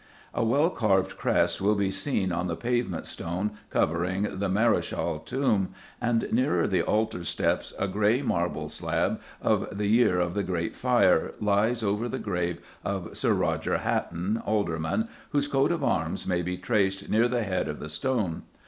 A well carved crest will be seen on the pavement stone covering the Marishall tomb, and, nearer the altar steps, a grey marble slab of the year of the Great Fire lies over the grave of Sir Roger Hatton, Alderman, whose coat of arms may be traced near the head of the stone.